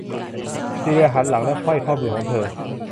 ซีเลียหันหลังและไขว้ข้อมือของเธอ